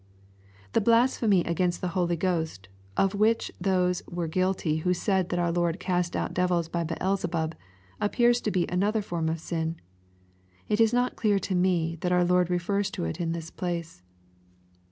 The blasphemy against the Holy Ghost^ of which those were guilty who said that our Lord cast out devils by Beelzebub, ap pears to be another form of sin. It is not clear to me that our Lord refers to it in this place.